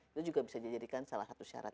itu juga bisa dijadikan salah satu syarat